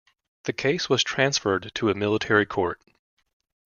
The case was transferred to a military court.